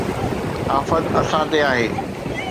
آفت اسان تي آهي